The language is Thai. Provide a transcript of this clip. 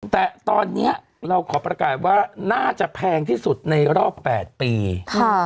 แต่ตอนเนี้ยเราขอประกาศว่าน่าจะแพงที่สุดในรอบแปดปีค่ะ